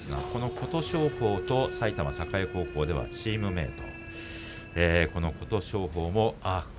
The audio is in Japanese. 琴勝峰と埼玉栄高校ではチームメート。